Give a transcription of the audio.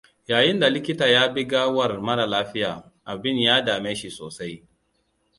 Yayinda likita ya bi gawar mara lafiya, abin ya dame shi sosai.